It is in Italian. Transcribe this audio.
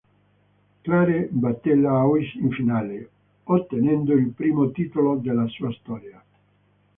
Clare batté Laois in finale, ottenendo il primo titolo della sua storia.